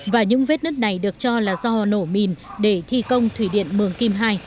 và những vết nứt này được cho là do nổ mìn để thi công thủy điện mường kim ii